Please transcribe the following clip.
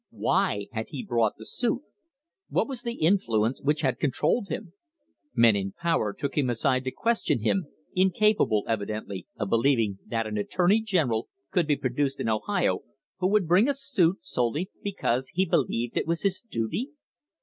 Why had he brought the suit? What was the influence which had controlled him? Men in power took him aside to question him, incapable, evidently, of believing that an attorney general could be produced in Ohio who would bring a suit solely because he believed it was his duty.